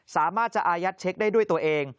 สามารถจะอายัดเช็คได้ด้วยตัวเอง